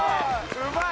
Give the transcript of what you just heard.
うまい！